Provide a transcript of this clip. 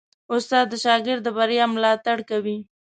استاد د شاګرد د بریا ملاتړ کوي.